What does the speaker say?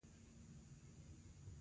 زده کړې د سم قضاوت په مانا نه دي.